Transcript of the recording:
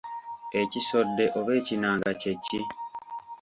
Ekisodde oba ekinanga kye ki?